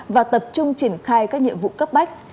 và tập trung triển khai các nhiệm vụ cấp bách